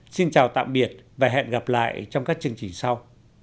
xin chào tạm biệt và hẹn gặp lại trong các chương trình sau